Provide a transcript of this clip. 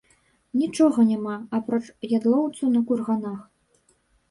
Нічога няма, апроч ядлоўцу на курганах.